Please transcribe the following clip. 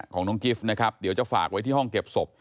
ของน้องกิฟต์นะครับเดี๋ยวจะฝากไว้ที่ห้องเก็บศพ